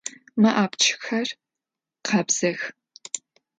Mı apçxer khabzex.